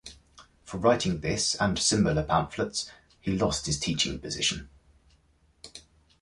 For writing this and similar pamphlets, he lost his teaching position.